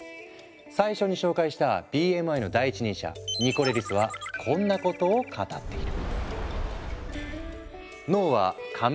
最初に紹介したＢＭＩの第一人者ニコレリスはこんなことを語っている。